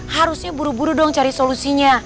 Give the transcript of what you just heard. harusnya buru buru dong cari solusinya